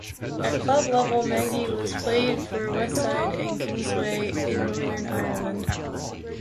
At club level Magee has played for Westside and Kingsway in Northern Ireland.